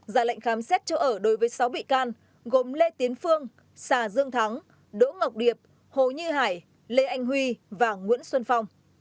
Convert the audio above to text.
già lệnh khám xét chỗ ở đối với sáu bị can gồm lê tiến phương xà dương thắng đỗ ngọc điệp hồ như hải lê anh huy và nguyễn xuân phong